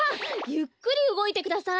ゆっくりうごいてください！